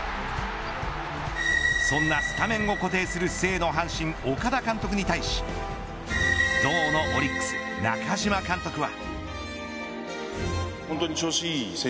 そんなスタメンを固定する静の阪神、岡田監督に対し動のオリックス中嶋監督は。